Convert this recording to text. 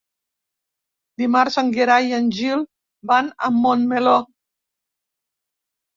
Dimarts en Gerai i en Gil van a Montmeló.